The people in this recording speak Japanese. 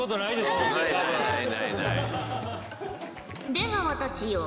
出川たちよ